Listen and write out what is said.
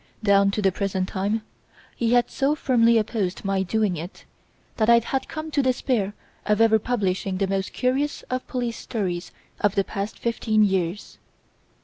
Down to the present time he had so firmly opposed my doing it that I had come to despair of ever publishing the most curious of police stories of the past fifteen years.